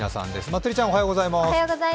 まつりちゃん、おはようございます